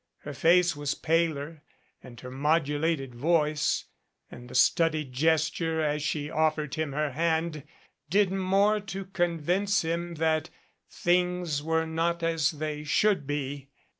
Her face was paler and her modulated voice and the studied gesture as she offered him her hand did more to convince him that things were not as they should be.